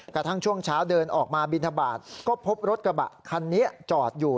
กระทั่งช่วงเช้าเดินออกมาบินทบาทก็พบรถกระบะคันนี้จอดอยู่